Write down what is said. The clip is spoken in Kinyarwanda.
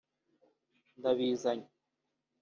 ndabizanye